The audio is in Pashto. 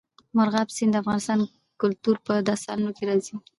مورغاب سیند د افغان کلتور په داستانونو کې راځي.